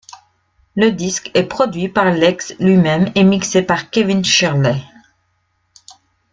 Le disque est produit par Lex lui-même et mixé par Kevin Shirley.